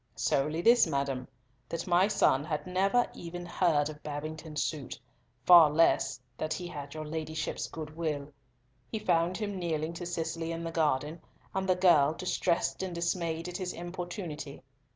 "Solely this, madam, that my son had never even heard of Babington's suit, far less that he had your Ladyship's good will. He found him kneeling to Cicely in the garden, and the girl, distressed and dismayed at his importunity.